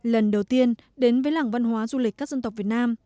lần đầu tiên đến với làng văn hóa du lịch các dân tộc việt nam